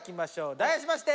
題してまして。